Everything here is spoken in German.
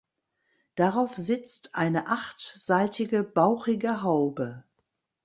Darauf sitzt eine achtseitige bauchige Haube.